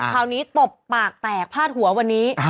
คราวนี้ตบปากแตกพลาดหัววันนี้